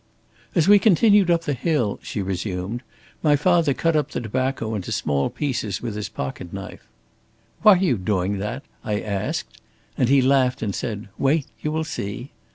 "As we continued up the hill," she resumed, "my father cut up the tobacco into small pieces with his pocket knife. 'Why are you doing that?' I asked, and he laughed and said, 'Wait, you will see.'